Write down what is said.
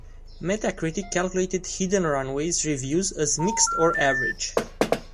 Metacritic calculated "Hidden Runaway"s reviews as "mixed or average".